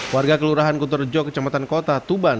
warga kelurahan kuterjo kecamatan kota tuban